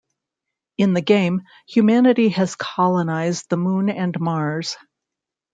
In the game, humanity has colonized the Moon and Mars.